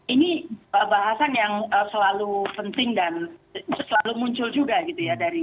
ini bahasan yang selalu penting dan selalu muncul juga gitu ya